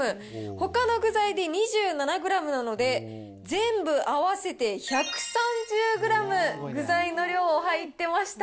ほかの具材で２７グラムなので、全部合わせて１３０グラム、具材の量、入ってました。